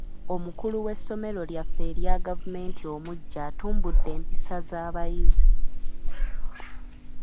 Omukulu w'essomero lyaffe erya gavumenti omuggya atumbudde empisa z'abayizi.